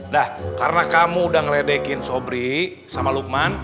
dah karena kamu udah ngeledekin sobri sama lukman